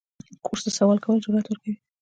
کورس د سوال کولو جرأت ورکوي.